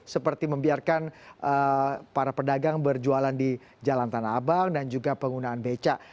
seperti membiarkan para pedagang berjualan di jalan tanah abang dan juga penggunaan beca